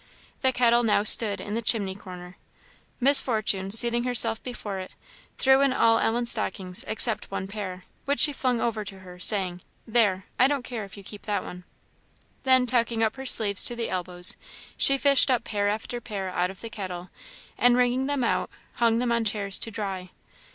The kettle now stood in the chimney corner. Miss Fortune, seating herself before it, threw in all Ellen's stockings except one pair, which she flung over to her, saying, "There I don't care if you keep that one." Then tucking up her sleeves to the elbows, she fished up pair after pair out of the kettle, and wringing them out, hung them on chairs to dry.